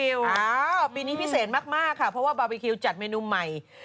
ปีนี้พิเศษมากค่ะเพราะว่าบาร์บีคิวจัดเมนูใหม่